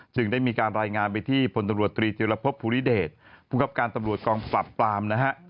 ได้มีการรายงานไปที่พลตำรวจตรีจิลภพภูริเดชภูมิครับการตำรวจกองปรับปรามนะฮะ